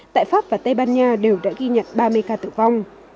tại pháp và tây ban nha đều đã ghi nhận ba mươi ca tử vong